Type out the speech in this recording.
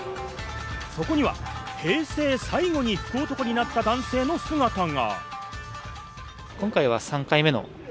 そこには平成最後に福男になった男性の姿が。